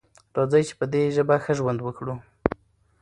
راځئ چې په دې ژبه ښه ژوند وکړو.